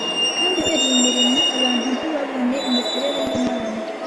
kandi kubera iyi mirimo abantu ntibabone imikorere y’Imana